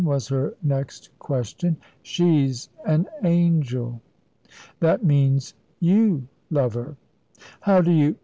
was her next question. "She's an angel." "That means, you love her." "How do you